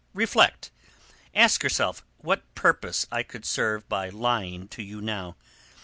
Reflect! Ask yourself what purpose I could serve by lying to you now.